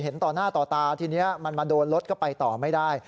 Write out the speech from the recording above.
ต่อหน้าต่อตาทีนี้มันมาโดนรถก็ไปต่อไม่ได้